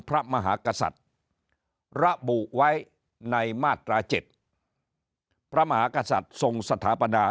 พระมหากษัตริย์ระบุไว้ในมาตรา๗พระมหากษัตริย์ทรงสถาปนา